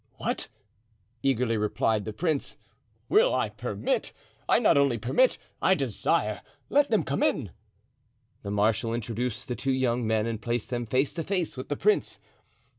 "What!" eagerly replied the prince, "will I permit? I not only permit, I desire; let them come in." The marshal introduced the two young men and placed them face to face with the prince.